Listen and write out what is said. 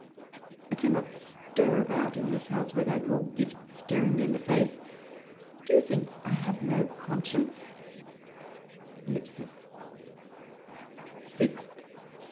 I cannot stir about this house without your gifts staring me in the face. Do you think I have no conscience 1 ... 6th.